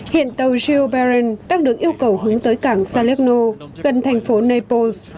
hiện tàu cheo berens đang được yêu cầu hướng tới cảng salerno gần thành phố naples